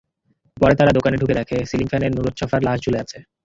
পরে তাঁরা দোকানে ঢুকে দেখেন, সিলিং ফ্যানের নুরুচ্ছফার লাশ ঝুলে আছে।